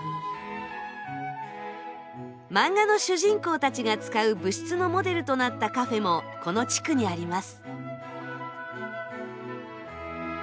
マンガの主人公たちが使う部室のモデルとなったカフェもこの地区にあります。